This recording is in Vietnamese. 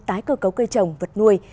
tái cơ cấu cây trồng vật nuôi